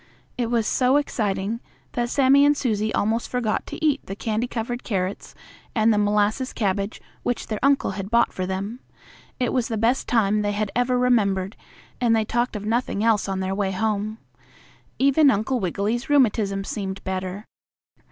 It was so exciting that Sammie and Susie almost forgot to eat the candy covered carrots and the molasses cabbage which their uncle bought for them. It was the best time they had ever remembered, and they talked of nothing else on their way home. Even Uncle Wiggily's rheumatism seemed better.